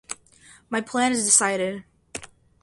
My plan is decided.